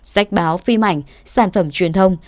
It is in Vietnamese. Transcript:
sách báo phim ảnh sản phẩm truyền thông